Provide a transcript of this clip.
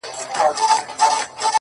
ټول عمر ښېرا کوه دا مه وايه _